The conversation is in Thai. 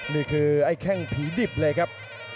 นี่คือไอ้แข้งผีดิบเลยครับ